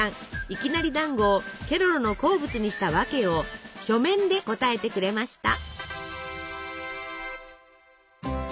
いきなりだんごをケロロの好物にした訳を書面で答えてくれました。